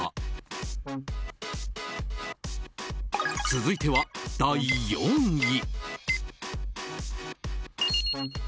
続いては、第４位。